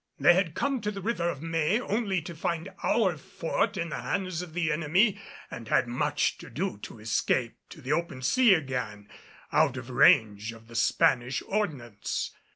They had come to the River of May only to find our Fort in the hands of the enemy and had much to do to escape to the open sea again, out of range of the Spanish ordnance.